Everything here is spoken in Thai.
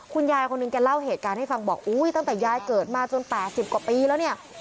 คุณยายคนหนึ่งแกเล่าเหตุการณ์ให้ฟังบอกอุ้ยตั้งแต่ยายเกิดมาจน๘๐กว่าปีแล้วเนี่ย